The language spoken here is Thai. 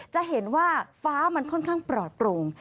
จะเห็นว่าฟ้ามันค่อนข้างปลอดโปร่ง